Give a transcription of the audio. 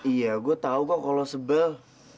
iya gue tau kok kalau sebel